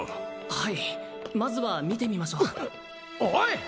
はいまずは見てみましょうおい！